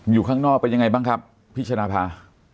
อยู่ข้างนอกเป็นยังไงบ้างครับพี่ชนะภา